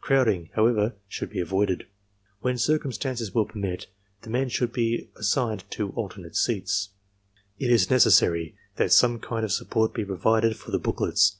Crowding, however, should be avoided. When circumstances will permit, the men should be assigned to alternate seats. TESTS IN STUDENTS' ARMY TRAINING CORPS 155 It is necessary that some kind of support be provided for the booklets.